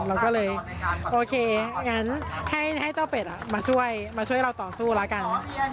เราก็เลยโอเคงั้นให้เจ้าเป็ดมาช่วยมาช่วยเราต่อสู้แล้วกัน